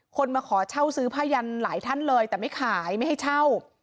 มาขอเช่าซื้อผ้ายันหลายท่านเลยแต่ไม่ขายไม่ให้เช่า